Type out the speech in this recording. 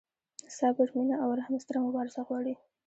صبر، مینه او رحم ستره مبارزه غواړي.